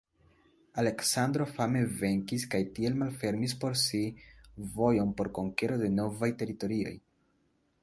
Aleksandro fame venkis kaj tiel malfermis por si vojon por konkero de novaj teritorioj.